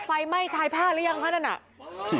ไฟไม่ทายผ้าหรือยังเพราะฉะนั้นน่ะ